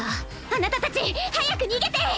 あなたたち早く逃げて！